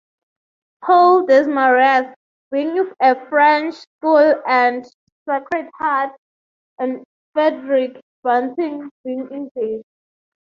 Paul-Desmarais being a French school and Sacred Heart and Frederick Banting being English.